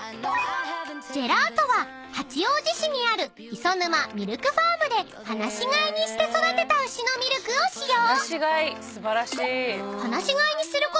［ジェラートは八王子市にある磯沼ミルクファームで放し飼いにして育てた牛のミルクを使用］